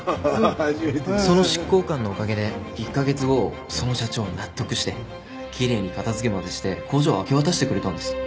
その執行官のおかげで１カ月後その社長は納得してきれいに片付けまでして工場を明け渡してくれたんです。